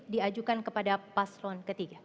diajukan kepada paslon ketiga